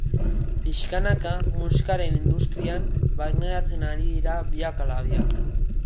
Pixkanaka musikaren industrian barneratzen ari dira biak ala biak.